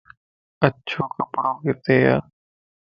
اچو ڪپڙو ڪٿي ا